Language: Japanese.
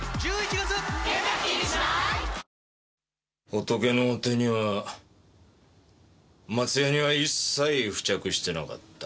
ホトケの手には松ヤニは一切付着してなかった。